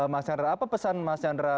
mas hendra apa pesan mas chandra